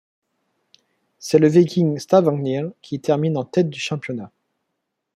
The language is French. C'est le Viking Stavanger qui termine en tête du championnat.